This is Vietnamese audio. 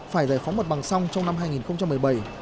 phải giải phóng mặt bằng xong trong năm hai nghìn một mươi bảy